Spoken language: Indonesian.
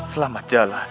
salam sejahtera dinda